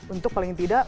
untuk paling tidak